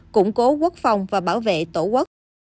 củng cố quốc phòng và bảo vệ tổ quốc